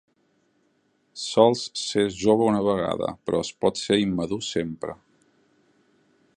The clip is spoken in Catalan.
Sols s'és jove una vegada, però es pot ser immadur sempre.